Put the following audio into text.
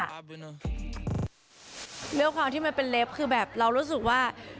ด้วยความที่มันเป็นเล็บคือแบบเรารู้สึกว่า